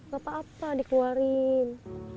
gak apa apa dikeluarin